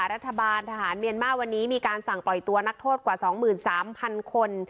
รัฐบาลทหารเมียนมาวันนี้มีการสั่งปล่อยตัวนักโทษกว่าสองหมื่นสามพันคน